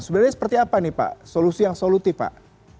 sebenarnya seperti apa nih pak solusi yang solutif pak